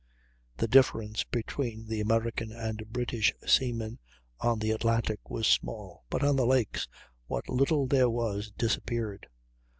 The difference between the American and British seamen on the Atlantic was small, but on the lakes what little there was disappeared.